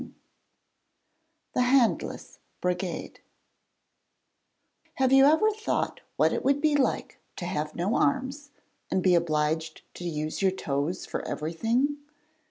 _] THE HANDLESS BRIGADE Have you ever thought what it would be like to have no arms, and be obliged to use your toes for everything?